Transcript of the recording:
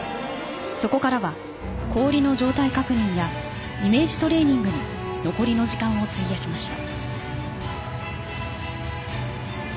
そこからは氷の状態確認やイメージトレーニングに残りの時間を費やしました。